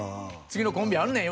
「次のコンビあるねん」